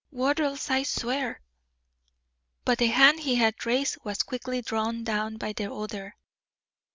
"Wattles, I swear " But the hand he had raised was quickly drawn down by the other.